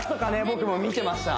僕も見てました